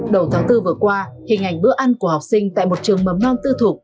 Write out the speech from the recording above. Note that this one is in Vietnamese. đầu tháng bốn vừa qua hình ảnh bữa ăn của học sinh tại một trường mầm non tư thục